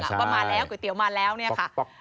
ว่ามาแล้วก๋วยเตี๋ยวมาแล้วเนี่ยค่ะ